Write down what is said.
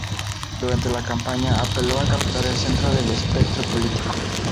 Durante la campaña apeló a captar el centro del espectro político.